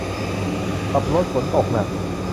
ขับรถฝนตกหนัก